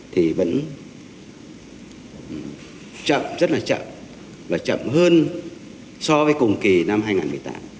thì vẫn chậm rất là chậm và chậm hơn so với cùng kỳ năm hai nghìn một mươi tám